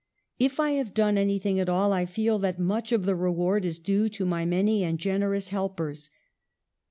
If I have done anything at all I feel that much of the reward is due to my many and generous helpers.